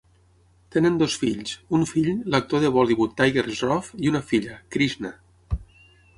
Tenen dos fills, un fill, l'actor de Bollywood Tiger Shroff i una filla, Krishna.